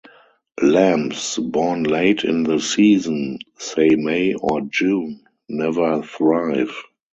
Lambs born late in the season, say May or June, never thrive.